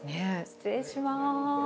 失礼します。